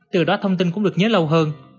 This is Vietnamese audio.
từ đó thông tin cũng được nhớ lâu hơn